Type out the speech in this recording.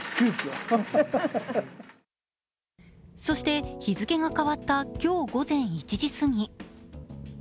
そして日付が変わった今日午前１時すぎ。